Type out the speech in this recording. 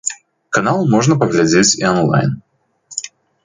Канал можа паглядзець і анлайн.